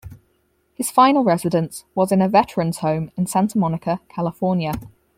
His final residence was in a veterans home in Santa Monica, California.